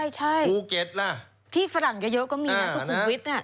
อ๋อใช่ที่ฟรั่งก็เยอะก็มีนะสุขุมวิทย์น่ะ